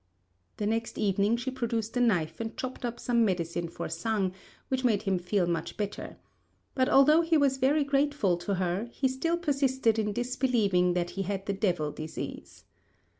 The next evening she produced a knife and chopped up some medicine for Sang, which made him feel much better; but, although he was very grateful to her, he still persisted in disbelieving that he had the devil disease.